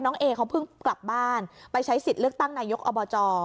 เอเขาเพิ่งกลับบ้านไปใช้สิทธิ์เลือกตั้งนายกอบจ